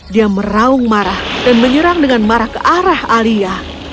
dia meraung marah dan menyerang dengan marah ke arah alia